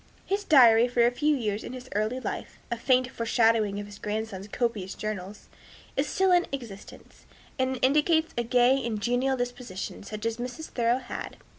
His diary for a few years of his early life a faint foreshadowing of his grandson's copious journals is still in existence, and indicates a gay and genial disposition, such as Mrs. Thoreau had.